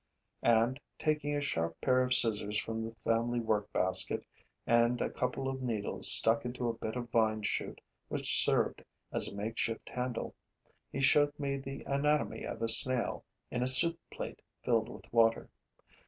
And, taking a sharp pair of scissors from the family work basket and a couple of needles stuck into a bit of vine shoot which served as a makeshift handle, he showed me the anatomy of a snail in a soup plate filled with water.